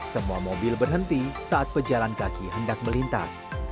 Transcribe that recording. semua mobil berhenti saat pejalan kaki hendak melintas